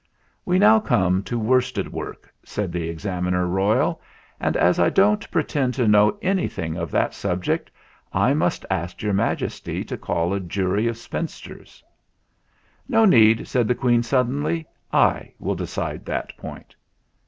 "We now come to worsted work," said the Examiner Royal; "and as I don't pretend to know anything of that subject I must ask Your Majesty to call a jury of spinsters." "No need," said the Queen suddenly. "I will decide that point."